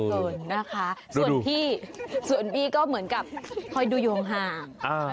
เกินนะคะส่วนพี่ส่วนพี่ก็เหมือนกับคอยดูอยู่ห่าง